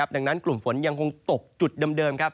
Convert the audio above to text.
ดังนั้นกลุ่มฝนยังคงตกจุดเดิมครับ